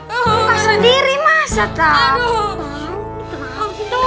bukan sendiri masa takut